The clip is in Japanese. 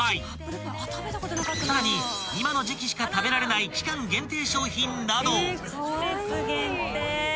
［さらに今の時期しか食べられない期間限定商品など］